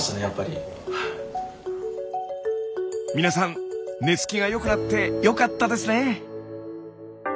皆さん寝つきがよくなってよかったですね！